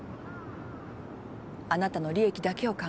あなたの利益だけを考える。